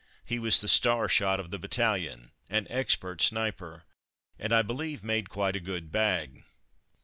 He was the "star" shot of the battalion, an expert sniper, and, I believe, made quite a good bag.